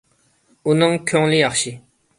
ئۇنىڭ كۆڭلى ياخشى.